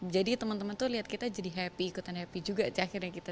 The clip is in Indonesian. jadi teman teman tuh lihat kita jadi happy ikutan happy juga aja akhirnya kita